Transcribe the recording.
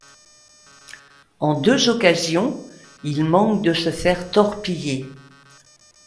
En deux occasions, il manque de se faire torpiller.